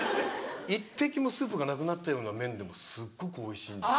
一滴もスープがなくなったような麺でもすっごくおいしいんですよね。